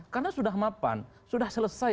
karena sudah mapan sudah selesai